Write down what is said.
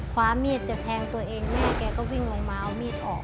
ความมีดจะแทงตัวเองแม่แกก็วิ่งลงมาเอามีดออก